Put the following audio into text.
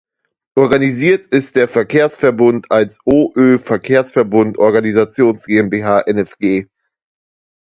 Organisiert ist der Verkehrsverbund als "OÖ Verkehrsverbund-Organisations" GmbH Nfg.